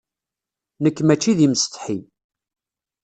Nekk maci d imsetḥi.